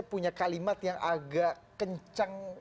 punya kalimat yang agak kencang